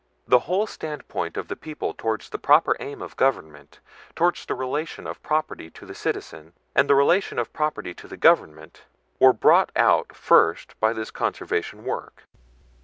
The whole standpoint of the people toward the proper aim of government, toward the relation of property to the citizen, and the relation of property to the government, were brought out first by this Conservation work."